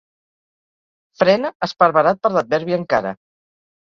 Frena, esparverat per l'adverbi encara.